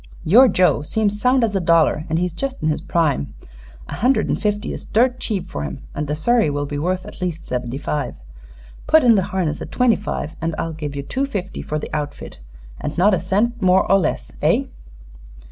Your Joe seems sound as a dollar, and he's just in his prime. A hundred and fifty is dirt cheap for him, and the surrey will be worth at least seventy five. Put in the harness at twenty five, and I'll give you two fifty for the outfit, and not a cent more or less. Eh?"